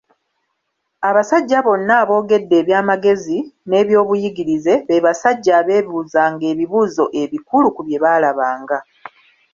Abasajja bonna aboogedde ebyamagezi n'eby'obuyigirize, be basajja abeebuuzanga ebibuuzo ebikulu ku bye baalabanga.